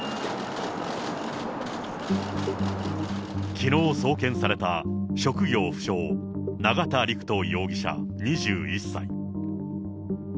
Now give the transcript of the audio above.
きのう送検された職業不詳、永田陸人容疑者２１歳。